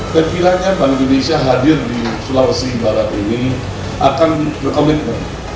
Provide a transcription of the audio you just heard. dan kiranya bank indonesia hadir di sulawesi barat ini akan berkomitmen